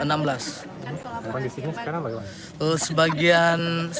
apa di sini sekarang bagaimana